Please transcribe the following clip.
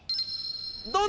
どうだ？